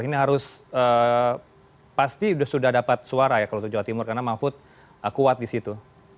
ini harus pasti sudah dapat suara ya kalau untuk jawa timur karena mahfud kuat di situ